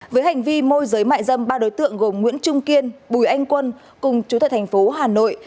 với hành vi môi giới mại dâm ba đối tượng gồm nguyễn trung kiên bùi anh quân cùng chú tại thành phố hà nội